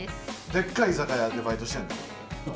でっかい居酒屋でバイトしてんの？